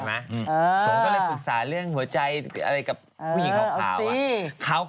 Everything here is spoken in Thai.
ผมก็เลยปรึกษาเรื่องหัวใจอะไรกับผู้หญิงขาว